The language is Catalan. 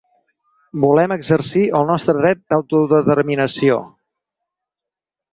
Volem exercir el nostre dret d’autodeterminació.